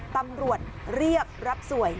ตำรวจเรียกรับสวย